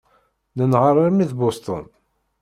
Nenheṛ armi d Boston.